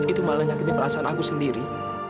itu malah nyakitin perasaan aku sendiri